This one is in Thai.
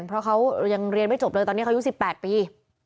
เพราะเขายังเรียนไม่จบเลยตอนนี้เขาอายุ๑๘ปี